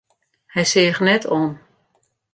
Hy seach net om.